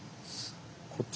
こっち？